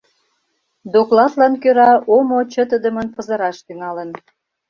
Докладлан кӧра омо чытыдымын пызыраш тӱҥалын.